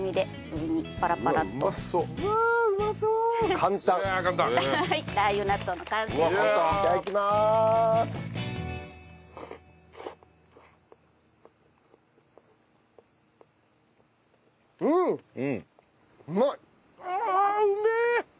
うまい。